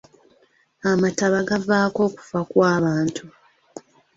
Amataba gavaako okufa kw'abantu.